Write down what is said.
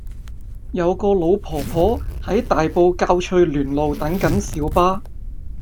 有個老婆婆喺大埔滘翠巒路等緊小巴